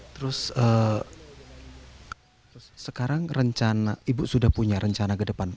terus sekarang rencana ibu sudah punya rencana